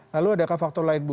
lalu adakah faktor lain bu